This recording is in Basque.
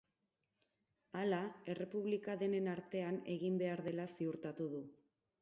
Hala, errepublika denen artean egin behar dela ziurtatu du.